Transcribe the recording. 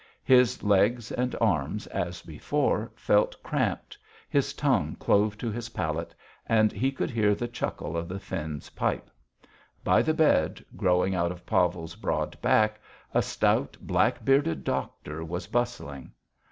His legs and arms, as before, felt cramped, his tongue clove to his palate, and he could hear the chuckle of the Finn's pipe.... By the bed, growing out of Pavel's broad back, a stout, black bearded doctor was bustling.